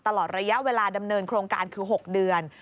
ตลอดระยะเวลาดำเนินโครงการคือ๖เดือน